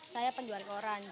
saya penjual koran